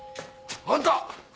あんた！